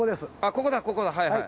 ここだここだはいはい。